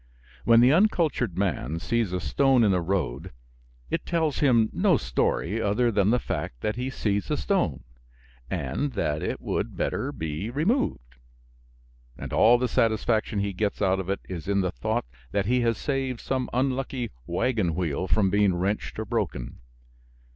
When the uncultured man sees a stone in the road it tells him no story other than the fact that he sees a stone and that it would better be removed; and all the satisfaction he gets out of it is in the thought that he has saved some unlucky wagon wheel from being wrenched or broken.